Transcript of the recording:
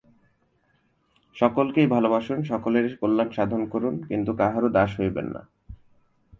সকলকেই ভালবাসুন, সকলেরই কল্যাণ সাধন করুন, কিন্তু কাহারও দাস হইবেন না।